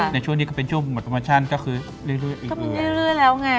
ในช่วงนี้ก็เป็นช่วงหมดธรรมชาติก็คือเรื่อยแล้วไง